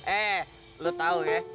eh lu tau ya